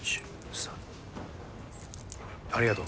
ありがとう。